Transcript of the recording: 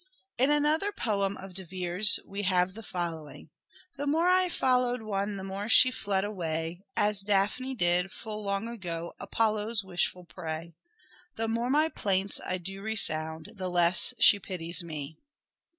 In another poem of De Vere's we have the following :—" The more I followed one the more she fled away As Daphne did, full long ago, Apollo's wishful prey. The more my plaints I do resound the less she pities me."